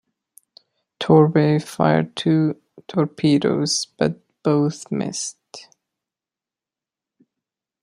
"Torbay" fired two torpedoes but both missed.